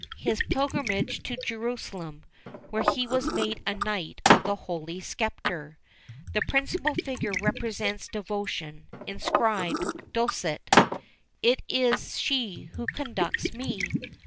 His pilgrimage to Jerusalem, where he was made a knight of the Holy Sepulchre. The principal figure represents Devotion, inscribed Ducit "It is she who conducts me."